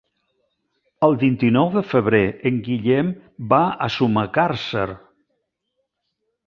El vint-i-nou de febrer en Guillem va a Sumacàrcer.